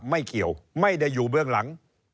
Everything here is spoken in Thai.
ไม่เกี่ยวไม่ได้อยู่เบื้องหลัง